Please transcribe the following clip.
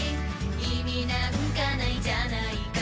意味なんかないじゃないか